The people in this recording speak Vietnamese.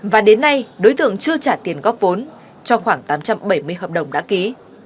và đến nay đối tượng chưa trả tiền góp vốn cho khoảng tám trăm bảy mươi hợp đồng đã ký